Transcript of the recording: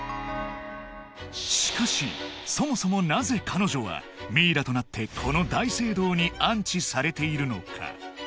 しかしそもそもなぜ彼女はミイラとなってこの大聖堂に安置されているのか